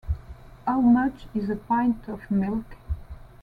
How Much Is A Pint Of Milk?